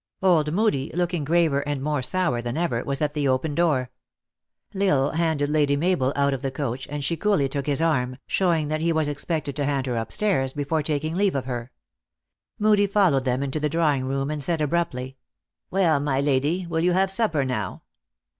Old Moodie, looking graver and more sour than ever, was at the open door. L Isle handed Lady Mabel out of the coach, and she coolly took his arm, showing that he was expected to hand her up stairs, before taking leave of her. Moodie followed them into the draw ing room, and said abruptly, " Well, my lady, will you have supper now